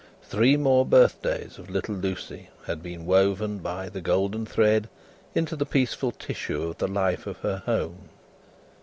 Three more birthdays of little Lucie had been woven by the golden thread into the peaceful tissue of the life of her home.